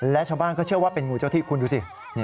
และชาวบ้านก็เชื่อว่าเป็นงูเจ้าที่คุณดูสิ